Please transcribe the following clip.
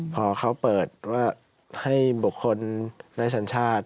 พอเขาเปิดว่าให้บุคคลในสัญชาติ